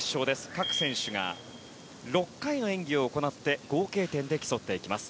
各選手が６回の演技を行って合計点で競っていきます。